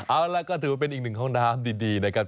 เอาละก็ถือว่าเป็นอีกหนึ่งห้องน้ำดีนะครับ